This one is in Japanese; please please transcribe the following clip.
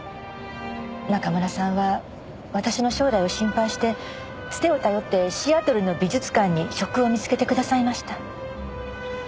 中村さんは私の将来を心配してつてを頼ってシアトルの美術館に職を見つけてくださいました。